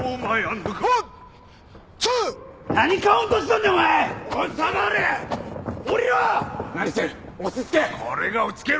何してる！